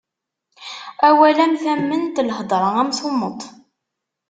Awal am tamment, lhedṛa am tummeṭ.